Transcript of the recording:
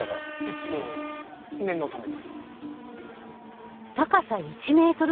一応念のためです。